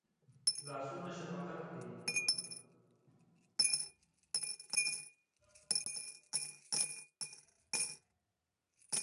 لاسونه شفقت ښيي